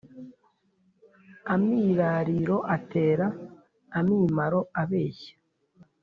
Amirariro atera amimaro abeshya